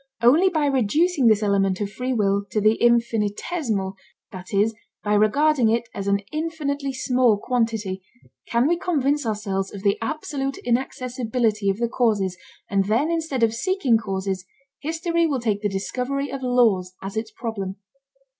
Only by reducing this element of free will to the infinitesimal, that is, by regarding it as an infinitely small quantity, can we convince ourselves of the absolute inaccessibility of the causes, and then instead of seeking causes, history will take the discovery of laws as its problem.